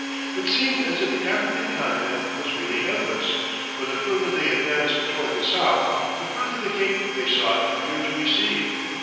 It seemed as if the African continent was really endless, for the further they advanced towards the south, the further the cape they sought appeared to recede.